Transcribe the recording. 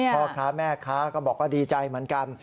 พ่อค้าแม่ค้าก็บอกว่าดีใจเหมือนกัน